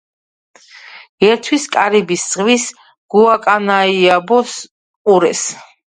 ერთვის კარიბის ზღვის გუაკანაიაბოს ყურეს.